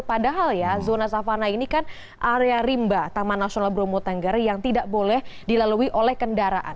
padahal ya zona savana ini kan area rimba taman nasional bromo tengger yang tidak boleh dilalui oleh kendaraan